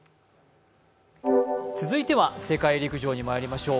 続いては世界陸上にまいりましょう。